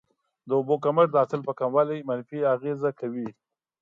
د اوبو کمښت د حاصل په کموالي منفي اغیزه کوي.